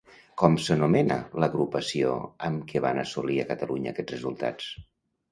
Com s'anomena l'agrupació amb què van assolir a Catalunya aquests resultats?